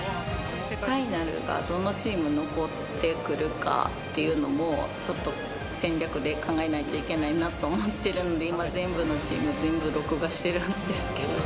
ファイナルがどのチーム残ってくるかっていうのも、ちょっと戦略で考えないといけないなと思ってるんで、今、全部のチーム、全部録画してるんですけど。